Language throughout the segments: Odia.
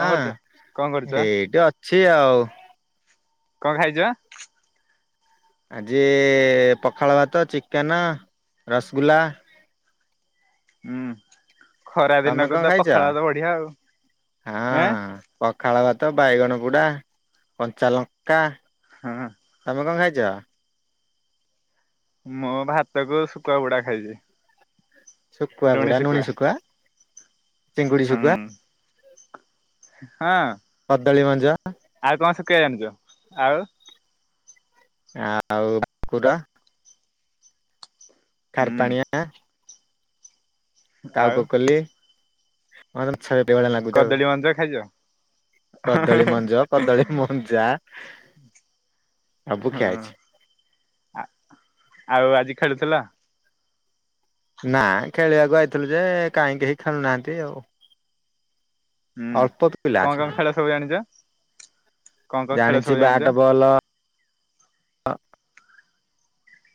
କଣ ହଁ କରୁଛ କଣ କରୁଛ ଏଇଠି ଅଛି ଆଉ। କଣ ଖାଇଛ? ଆଜି ପଖାଳ ଭାତ, ଚିକେନ, ରସଗୁଲ୍ଲା ହୁଁ ଖରା ତମେ କଣ ଦିନକୁଦ ଖାଇଛ ପଖାଳ ତ ବଢିଆ ଆଉ। ହଁ ଆ ପଖାଳ ଭାତ, ବାଇଗଣ ପୁଡା, କଞ୍ଚାଲଙ୍କା ହଁ। ତମେ କଣ ଖାଇଛ? ମୁଁ ଭାତ କୁ ଶୁଖୁଆ ପୋଡ଼ା ଖାଇଛି। ଶୁଖୁଆ ଲୁଣି ପୋଡା ସୁଖୁଆ, ଶୁଖୁଆ ଚିଙ୍ଗୁଡି ହୁଁ। ଶୁଖୁଆ ହଁ। କଦଳୀ ମଞ୍ଜା ଆଉ କଣ ଶୁଖୁଆ ଜାଣିଚ? ଆଉ। ଆଉ କକୁର ହୁଁ ଖାରପାଣିଆ। ଆଉ କାଉକୁ କଲି, ମତେ ଛେଳି ଟେ ଭଳି ଲାଗୁଛି ଆଉ। କଦଳୀ ମଞ୍ଜ ଖାଇଛ କଦଳୀ ମଞ୍ଜ କଦଳୀ ମଞ୍ଜା। ସବୁ ଖିଆହେଇଛି।। ଆ ଆଉ ଆଜି ଖେଳୁଥିଲ।? ନା ଖେଳିବାକୁ ଆଇଥିଲୁ ଯେ କାହିଁ କେହି ଖେଳୁନାହାନ୍ତି ଆଉ। ହୁଁ ଅଳପ କଣ କଣ ଖେଳ ସବୁ ଜାଣିଛ? କଣ କଣ ଖେଳ ଜାଣିଛି ସବୁ ବ୍ୟାଟ ଜାଣିଛ? ବଲ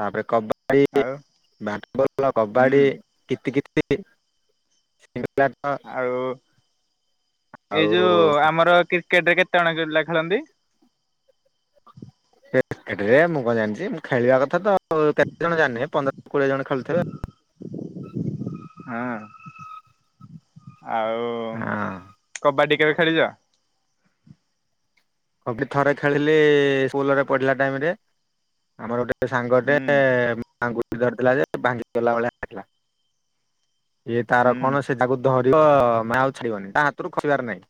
ତାପରେ କବାଡି ଆଉ ବ୍ୟାଟବଲ୍ ହୁଁ କବାଡି କିତି କିତି [unintelligible] ଆଉ ଏଇ ଆଉ ଯୋଉ ଆମର କ୍ରିକେଟ୍ ରେ କେତେ ଜଣ ପିଲା ଖେଳନ୍ତି? ସେ କ୍ରେଟରେ ମୁଁ କଣ ଜାଣିଛି ମୁ ଖେଳିବା କଥା ତ କେତେ ଜଣ ଜାଣିନି ପନ୍ଦରରୁ କୋଡିଏ ଜଣ ଖେଳୁଥିବେ। ହଁ ଆଉ। କବାଡି କେବେ ଖେଳିଛ? ଲୋକେ ଥରେ ଖେଳିଲେ ସ୍କୁଲରେ ପଢ଼ିଲା ଟାଇମ୍ରେ, ଆମର ଗୋଟେ ସେ ସାଙ୍ଗଟେ ହୁଁ ଆଙ୍ଗୁଠୀ ଧରିଥିଲା ଯେ ଭାଙ୍ଗି ଗଲା ଭଳିଆ ଲାଗିଲା। ଏଇ ତାର ହୁଁ କଣ ସେ ତାକୁ ଧରିବ ମା ଆଉ ଛାଡିବନି ତା ହାତରୁ ଖସିବାର ନାହିଁ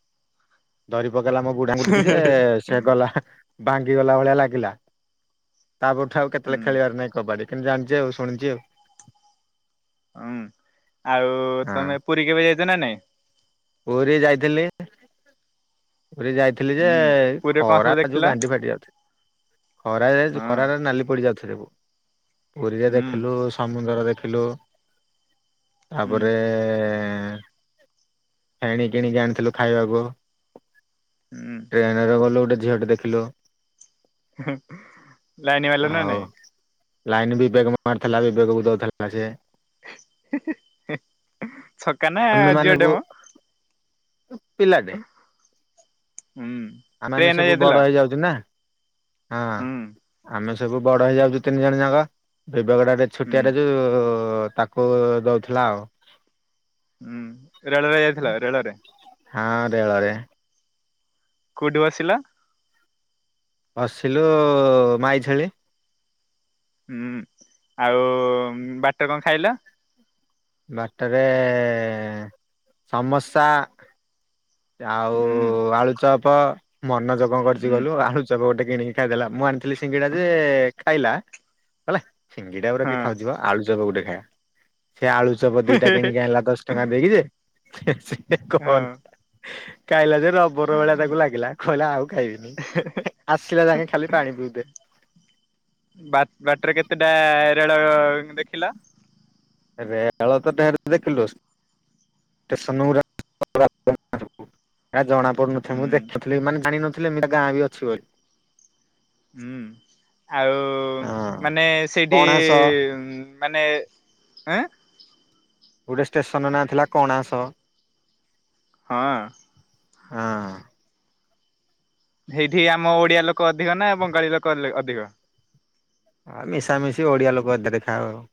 ଧରି ପକେଇଲା ମୋ ବୁଢ଼ା ଆଙ୍ଗୁଠି କି ସେ ଗଲା ଭାଙ୍ଗି ଗଲା ଭଳିଆ ଲାଗିଲା। ତା ପର ଠାରୁ ଆଉ କେତେବେଳେ ହୁଁ ଖେଳିବାର ନାଇଁ କବାଡ଼ି କିନ୍ତୁ ଜାଣିଛି ଆଉ ଶୁଣିଛି ଆଉ। ହୁଁ ଆଉ ତମେ ପୁରୀ କେବେ ଯାଇଛ ନା ନାଇଁ? ପୁରୀ ଯାଇଥିଲି ପୁରୀ ଯାଇଥିଲି ଯେ ହୁଁ ପୁରୀରେ କଣ ସବୁ ଖରା ଦେଖିଲ? ଯୋଉ ଗାଣ୍ଡି ଫାଟି ଯାଉଛି। ଖରାରେ ଯାଇଚୁ ହଁ ଖରାରେ ନାଲି ପଡ଼ିଯାଉଥିବୁ ପୁରୀରେ ହୁଁ ଦେଖିଲୁ ସମୁଦ୍ର ଦେଖିଲୁ ହୁଁ ତାପରେ ଫେଣି କିଣିକି ଆଣିଥିଲୁ ଖାଇବାକୁ। ହୁଁ। ଟ୍ରେନେରେ ଗଲୁ ଗୋଟେ ଝିଅଟେ ଦେଖିଲୁ ଲାଇନ ବାଲା ନା ଆଉ ନାଇଁ ଲାଇନି ବିବେକ ମାରଥିଲା ବିବେକକୁ ଦୋଉଥୁଲା ସିଏ। ହି ହି ହି ଛକା ନା ଝିଅଟେ ମ? ପିଲା ହୁଁ। ଆମେମାନେ ଟ୍ରେନରେ ସବୁ ଯାଇଥିଲ? ବଡ ହେଇଯାଉଚୁ ନା ହଁ ହୁଁ ଆମେ ସ ସବୁ ବଡ ହେଇଯାଉଚୁ ତିନିଜଣ ଯାକ ବିବେକଟା ଟେ ହୁଁ ଛୋଟିଆଟେ ଯୋଉ ତା କୁ ଦୋଉଥୁଲା ଆଉ। ଉଁ ରେଳରେ ଯାଇଥିଲା ରେଳରେ ହଁ ରେଳରେ। କୋଉଠି ବସିଲା? ବସିଲୁ ମାଇ ଛେଳି ଉଁ ଆଉ ବାଟରେ କଣ ଖାଇଲ? ବାଟରେ ସମସା ଆଉ ହୁଁ ଆଳୁଚପ ମନୋଜ କଣ କରିଚି ହୁଁ କହିଲୁ ଆଳୁ ଚପ ଗୋଟେ କିଣିକି ଖାଇଦେଲା ମୁଁ ଆଣିଥିଲି ସିଙ୍ଗେଡା ଯେ ଖାଇଲା। କହିଲା ସିଙ୍ଗିଡା ଗୁରା ହଁ କିଏ ଖାଉଚି ବ ଆଳୁଚତ ଗୋଟେ ଖାଇବା। ସେ ଆଳୁଚପ ଦିଟା କିଣିକି ଆଣିଲା ଦଶଟଙ୍କା ଦେଇକି ଯେ ସିଏ ହଁ ଗନ୍ଧ ଖାଇଲା ଯେ ରବ୍ ବର ଭଳିଆ ତାକୁ ଲାଗିଲା କହିଲା ଆଉ ଖାଇବିନି ଆସିଲା ଯାକେ ଖାଲି ପାଣି ପିଉଥାଏ। ବା ବାଟରେ କେତେଟା ରେଳ ଦେଖିଲା? ରେଳ ତ ଢେର ଦେଖିଲୁ। ଷ୍ଟେସନଗୁରା [inaudible] ହେଆ ଜଣା [inaudible] ପଢୁନଥାଏ ମୁଁ ହୁଁ ଦେଖଥିଲି ମାନେ ଜାଣିିନଥିଲି ଏମିତିଆ ଗାଁ ବି ଅଛି ବୋଲି। ହୁଁ ଆଉ ହଁ ମାନେ ସେଇଠି କଣାସ ଉଁ ମାନେ ଆଁ? ଗୋଟେ ଷ୍ଟେସନ ନାଁ ଥିଲା କଣାସ। ହଁ। ହଁ। ସେଇଠି ଆମ ଓଡିଆଲୋକ ଅଧିକ ନା ବଙ୍ଗାଳୀଲୋକ ଲେ କ ଅଧିକ? ଆ ମିଶାମିଶି ଓଡିଆଲୋକ ଅଧେ ଦେଖା ହୋଉ।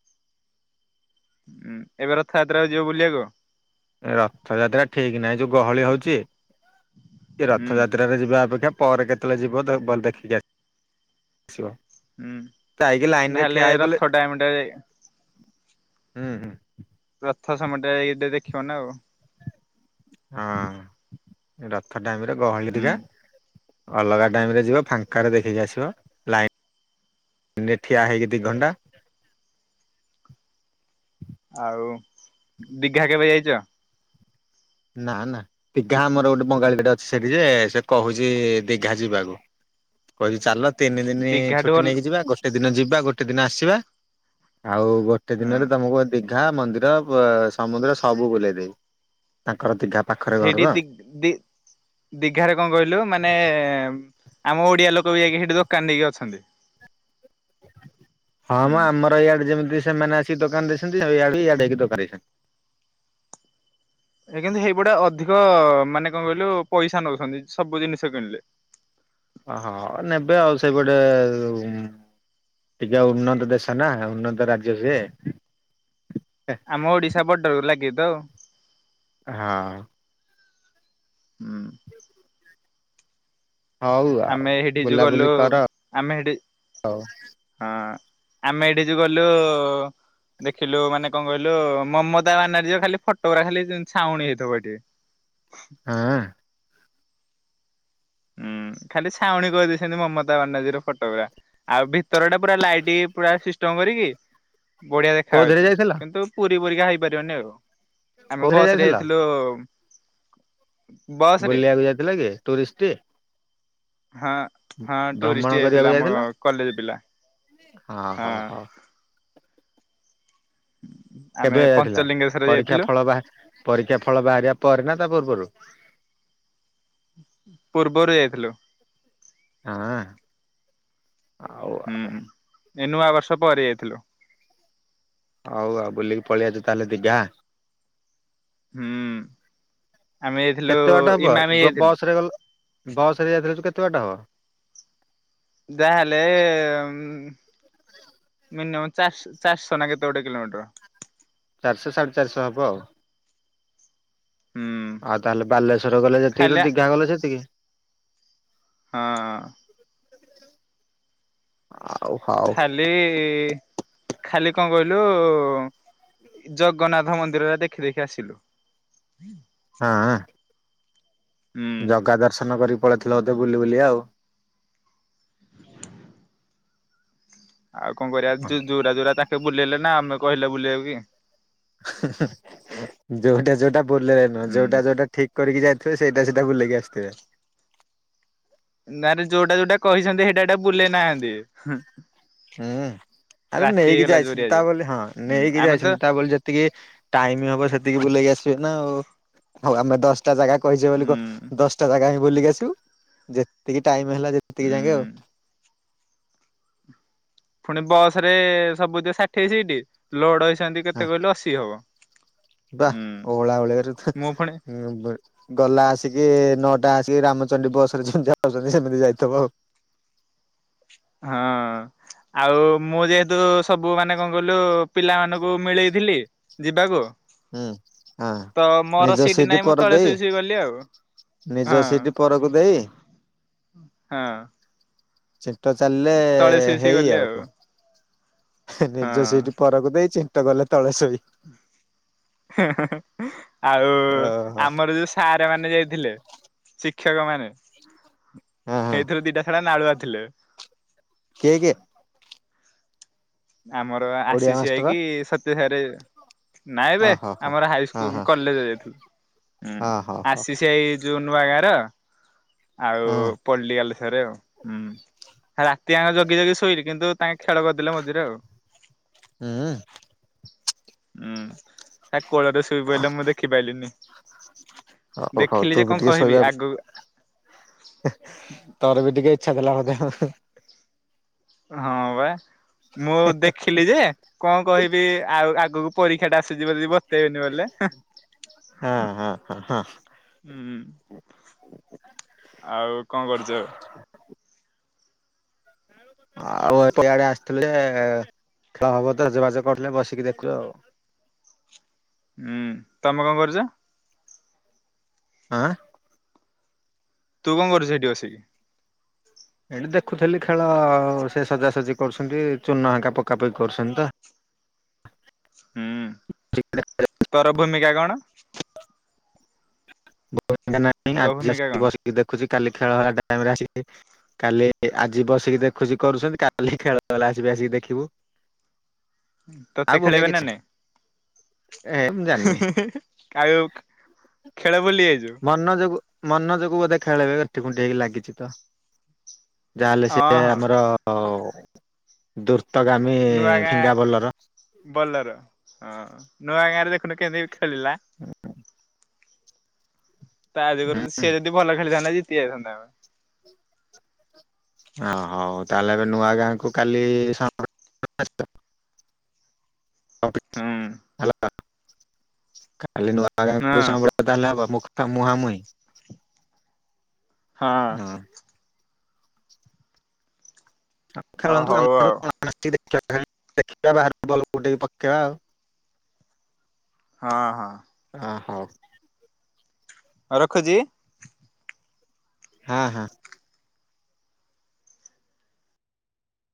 ଉଁ ଏବେ ରଥଯାତ୍ରାକୁ ଯିବ ବୁଲିବାକୁ? ଏ ରଥଯାତ୍ରା ଠିକ ନାହିଁ ଯୋଉ ଗହଳି ହୋଉଚି ଏ ହୁଁ ରଥଯାତ୍ରା ରେ ଯିବା ଅପେକ୍ଷା ପଅରେ କେତୋଳେ ଯିବ ଦ ଭଲ୍ ଦେଖିକି ଆସ ଆସିବ ହୁଁ। ଯାଇକି ଲାଇନରେ ତାହେଲେ ଠିଆ ରଥ ହେଇପଇଲେ ଟାଇମ୍ ଟା ହୁଁ ହୁଁ। ରଥ ସମୟଟା ଯାଇକି ଟିକେ ଦେଖିବ ନା ଆଉ। ହଁ ରଥ ଟାଇମିରେ ଗହଳି ହୁଁ ହରିକା ଅଲଗା ଟାଇମରେ ଯିବ ଫାଙ୍କାରେ ଦେଖିକି ଆସିବ ଲାଇ ନରେ ଠିଆ ହେଇକି ଦିଘଣ୍ଟା ଆଉ ଦିଘା କେବେ ଯାଇଚ? ନା ନା ଦିଘା ଆମର ଗୋଟେ ବଙ୍ଗାଳୀ ଦେଇଟେ ଗୋଟେ ଅଛି ସେଠି ଯେ ସେ କୋହୁଚି ଦିଘା ଯିବାକୁ। କହିଚି ଚାଲ ତିନି ଦିନି ଦିଘାଠୁ ଛୁଟି ଭଲ ନେଇକି ଯିବା ଗୋଟେ ଦିନ ଯିବା, ଗୋଟେ ଦିନ ଆସିବା, ଆଉ ଗୋ ଟେ ହୁଁ ଦିନରେ ତମକୁ ଦୀଘା, ମନ୍ଦିର, ପ-ସମୁଦ୍ର, ସବୁ ବୁଲେଇ ଦେବି। ତାଙ୍କର ଦିଘା ପାଖରେ ଘର ସେଇଠି ତ। ଦି ଦି ଦିଘାରେ କଣ କହିଲୁ ମାନେ ଆମ ଓଡିଆଲୋକ ବି ଯାଇକି ହେଠି ଦୋକାନ ଦେଇକି ଅଛନ୍ତି। [inaudible] ହଁ ମ ହୁଁ ଆମର ଇଆଡେ ଯେମିତି ସେମାନେ ଆସିକି ଦୋକାନ ଦେଇଛନ୍ତି। ଇଆଡ଼େ ଇଆଡ଼େ ଯାଇକି ଦୋକାନ ଦେଇଛନ୍ତି। ଏ କିନ୍ତୁ ହେଇଗୁଡା ଅଧିକ ମାନେ କଣ କହିଲୁ ପଇସା ନଉଛନ୍ତି ସବୁ ଜିନିଷ କିଣିଲେ। ଓହ ନେବେ ଆଉ ସେଇପଟେ ଟିକେ ଆଉ ଉନ୍ନତ ଦେଶ ନା ଉନ୍ନତ ରାଜ୍ୟ ସିଏ। ଆମ ଓଡିଶା ବର୍ଡରକୁ ଲାଗିକି ତ। ହଁ। ହୁଁ ହଉ ଆଉ ଆମେ ସେଠି ଯୋଉ ଗଲୁ ବୁଲାବୁଲି କର ଆମେ ସେଠି ଆଉ ହଁ ଆମେ ଏଇଠି ଯୋଉ ଗଲୁ ଦେଖିଲୁ ମାନେ କଣ କହିଲୁ ମମତା ବାନାର୍ଜୀ ର ଖାଲି ଫଟ ଉରା ଖାଲି ଛାଉଣ ହେଇଥିବ ଏଠି। ହଁ। ହୁଁ ଖାଲି ଛାଉଣୀ କହିଦେଇଛନ୍ତି ମମତା ବାନାର୍ଜୀ ର ଫଟୋଗୁରା। ଆଉ ଭିତର ଟା ପୁରା ଲାଇଟ୍ ପୁରା ସିଷ୍ଟମ କରିକି। ବଢିଆ ଦେଖା କୋଉଥିରେ ଯାଉଛି। ଯାଇଥିଲ କିନ୍ତୁ ପୁରୀ ପରୀକା ହେଇପାରିବନି ଆଉ। ଆମେ କୋଉଥିରେ ବସ ରେ ଯାଇଥିଲ ଯାଇଥିଲୁ ବସ ରେ ବୁଲିବାକୁ ଯାଇଥିଲ କି ଟୁରିଷ୍ଟ। ହଁ ହଁ ଭ୍ରମଣ ଟୁରିଷ୍ଟ କରିବାକୁ ଯାଇଥିଲୁ ଆମ ଯାଇଥିଲ କଲେଜ ପିଲା ହଁ। ଆମେ କେବେ ଯାଇଥିଲ, ପଞ୍ଚଲିଙ୍ଗେଶ୍ଵର ପରୀକ୍ଷା ଯାଇଥିଲୁ ଫଳ ବାହା ପରୀକ୍ଷା ଫଳ ବାହାରିବା ପରେ ନା ତା ପୂର୍ବରୁ। ପୂର୍ବରୁ ଯାଇଥିଲୁ। ହଁ। ଆଉ ହୁଁ ଏ ନୂଆ ବର୍ଷ ପରେ ଯାଇଥିଲୁ। ହଉ ଆଉ ବୁଲିକି ପଳେଇ ଆଇଛୁ ତାହେଲେ ଦିଘା। ହୁଁ। ଆମେ ଯାଇଥିଲୁ କେତେ ବାଟା ହବ ଇମାମି ଗୋ ଯାଇଥିଲୁ। ବସ୍ ଗ ବସରେ ଯାଇଥିଲୁ କେତେ ବାଟ ହବ। ଯାହେଲେ ଉଁ ହ ମିନିମମ୍ ଚାର ଚାରିଶହ ନା କେତେ ଗୋଟେ କିଲୋମିଟର। ଚାରିଶହ ସାଢ଼େ ଚାରିଶହ ହବ। ହୁଁ ଆଉ ତାହେଲେ ବାଲେଶ୍ଵର ଗଲେ ଯେତିକି ତ ଖାଲି ଦିଘା ଗଲ ସେତିକି। ହଁ। ହଉ ହଉ। ଖାଲି ଖାଲି କଣ କହିଲୁ। ଜଗନ୍ନାଥ ମନ୍ଦିରରେ ଦେଖି ଦେଖି ଆସିଲୁ। ହଁ। ହୁଁ ଜଗା ଦର୍ଶନ କରିକି ପଳେଇଥିଲ ବୋଧେ ବୁଲି ବୁଲି ଆଉ। ଆଉ କଣ କରିବା ଯୋୁରା ଯୋୁରା ତାଙ୍କେ ବୁଲେଇଲେ ନା ଆମେ କହିଲେ ବୁଲେଇବା କି? ଯୋଉଟା ଯୋଉଟା ବୁଲରେ ନୁହଁ ହୁଁ। ଯୋଉଟା ଯୋଉଟା ଠିକ। କରିକି ଯାଇଥିବେ ସେଇଟାଇଟା ବୁଲକି ଆସିଥିବେ। ନାରେ ଯୋଉଟା ଯୋଉଟା କହିଛନ୍ତି ସେଇଟା ଏଟା ବୁଲେଇ ନାହାଁନ୍ତି। ହୁଁ ଆରେ ନେଇକି ଯାଇଛନ୍ତି ଜୋରିଆ ତା ଯେ ବୋଲି ହଁ ହୁଁ ନେଇକି ଆମେ ତ ଯାଇଛନ୍ତି ତା ବୋଲି ଯେତେ ଟିକେ ଟାଇମ ହବ ସେତିକି ବୁଲେଇକି ଆସିବେ ନା ଆଉ ହଉ ଆମେ ଦଶ ଟା ଜାଗା କହିଛେ ବୋଲି ହୁଁ କହ ଦଶଟା ଜାଗା ହି ବୁଲିକି ଆସିବୁ ଯେତିକି ଟାଇମ ହେଲା ସେତିକି ଜାଙ୍କେ ଆଉ। ହୁଁ। ପୁଣି ବସ ରେ ସବୁଦ ଷାଠି ହେଇ ସେଇଠି ଲୋଡ ହେଇଛନ୍ତି ହଁ କେତେ କହିଲୁ ଅଶୀ ହବ। ବା ହୁଁ ହଳ ହଳି ମୁଁ ପୁଣି ହଁ ଗଲା ଆସିକି ନଅଟା ଆସିକି ରାମଚଣ୍ଡୀ ବସ ରେ ଯେି ଯାାଉଛନ୍ତି ସେମିତି ଯାଇଥିବ ଆଉ। ହଁ। ଆଉ ମୁଁ ଯେହେତୁ ସବୁ ମାନେ କଣ କହିଲୁ ପିଲା ମାନଙ୍କୁ ମିଳେଇଥିଲି। ଯିବାକୁ ହୁଁ। ହଁ ତ ନିଜ ମୋର ସିଟ୍ ସିଟ ନାଇଁ ମୁଁ ପର ତଳେ ଦେଇ ଶୋଇ ଶୋଇ ଗଲି ଆଉ।। ହଁ। ନିଜ ସେଟ୍ ପରକୁ ଦେଇ। ହଁ। ସେଟ ଚାଲିଲେ ତଳେ ଶୋଇ ଶୋଇ ହେଇ ଗଲି ଆଉ କ ନିଜ ହଁ। ସିଟ୍ ପରକୁ ଦେଇ ଚିନ୍ତ ଗଲେ ତଳେ ଶୋଇ। ଆଉ ଓହୋ ଆମର ଯୋଉ ସାର ମାନେ ଯାଇଥିଲେ ଶିକ୍ଷକ ମାନେ। ଏଇଥିରୁ ଦିଟା ସାରା ନାଳୁଆ ଥିଲୁ। କେ କେ। ଆମର ଓଡିଆ ଆସିସ୍ ମାଷ୍ଟର ଭାଇକି ସତ୍ୟସାରେ। ନାଇଁ ବେ ଓହୋ ହୋ। ଆମର ହଁ ହାଇସ୍କୁଲ ହଁ କଲେଜ୍ ଯାଇଥିଲୁ ହଁ ହଉ ହଉ ଆସିସ୍ ଭାଇ ଯୋଉ ନୂଆ ଗାର। ଆଉ ହଁ [inaudible] ଥରେ ଆଉ ହୁଁ ରାତି ଆଙ୍କ ଜଗି ଜଗି ଶୋଇଲି କିନ୍ତୁ ତାଙ୍କେ ଖେଳ କରିଦେଲେ ମଝିରେ ଆଉ। ହୁଁ। ହୁଁ ହ କୋଳ ରେ ଶ ଶୁଇପଡ଼ିଲେ ମୁଁ ଦେଖିପାରିଲିିନି ହଉ ହଉ ତୁ ଦେଖିଲି ଯେ ବି କଣ ଟିକେ କହିବି ଶୋଇବାକୁ ଆଗୁ ତୋର ବି ଟିକେ ଇଛା ଥିଲା ବୋଧେ? ହଁ ବା ମୁଁ ଦେଖିଲି ଯେ କଣ କହିବି ଆଉ ଆଗକୁ ପରୀକ୍ଷା ଟା ଆସିଯିବ ଯିବ ତେନି ବଲେ। ହଁ ହଁ ହଁ। ହୁଁ ଆଉ କଣ କରୁଛ ଆଉ? ଆଉ ଏଠେଆଡେ ଆସିଥିଲେ ଯେ ଖେଳ ହବ ତ ଯୋଗାଯୋଗ କରିଥିଲେ ବସିକି ଦେଖଛୁ ଆଉ। ହୁଁ ତମେ କଣ କରୁଛ? ଆଁ? ତୁ କଣ କରୁଚୁ ସେଠି ବସିକି? ଏଇଠି ଦେଖୁଥିଲି ଖେଳ ସେ ସଜାସଜି କରୁଛନ୍ତି ଚୂର୍ନ ଏଙ୍କା ପକା ପକି କରୁଛନ୍ତି ତ। ହୁଁ ତୋର ଭୂମିକା କଣ? [inaudible] ତୋ ଆଜି ଭୂମିକା କଣ? ଆସି ବସିକି ଦେଖୁଛି କାଲି ଖେଳହେବା ଟାଇମ୍ ରେ ଆସିକି କାଲି ଆଜି ବସିକି ଦେଖୁଛି କରୁଛନ୍ତି କାଲି ଖେଳ ହେଲେ ଆସିବି ଆସିକି ଦେଖିବୁ। ଆଉ ତୋତେ ବଙ୍କା ଖେଳେଇବେ ନା କିଛି ନାଇଁ? ଏ ମୁଁ ଜାଣିନି ଆଉ ଖେଳ ଭୁଲି ଯାଇଛୁ? ମନ ଯୋଗୁ ମନ ଯୋଗୁ ବୋଧେ ଖେଳେଇବେ ଏଠି କୁଣ୍ଠି ହେଇକି ଲାଗିଛି ତ। ଯାହାହେଲେ ହଁ ସେ ହଁ ଆମର ଦୁର୍ତଗାମୀ ଫିଙ୍ଗା ବୋଲର। ବଲର ହଁ ନୂଆ ଗାଁ ରେ ଦେଖୁନୁ କେମିତି ଖେଳିଲା। ତା ଜୋଗରୁ ସିଏ ଯଦି ଭଲ ଖେଳିଥାନ୍ତା ଜିତି ଯାଇଥାନ୍ତା ପା। ଓ ହଉ ତାହେଲେ ଏବେ ନୂଆ ଗାଁକୁ କାଲି ସ [inaudible] ହୁଁ [unintelligible] ତାହେଲେ ହଁ ହେବା ମୁହାଁମୁହିଁ। ହଁ। ଆଉ ଓ ଖେଳନ୍ତୁ ହଉ ଆଉ ଆମରସ ଦେଖିବାର [inaudible] ବଲ ଟିକେ ପକେଇବା ଆଉ। ହଁ ହଁ। ଅ ହଉ। ରଖୁଛି? ହଁ ହଁ।